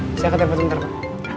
bisa gak telepon sebentar pak